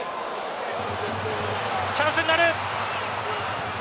チャンスになる。